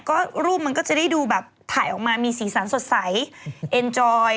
ก็รูปมันก็จะได้ดูแบบถ่ายออกมามีสีสันสดใสเอ็นจอย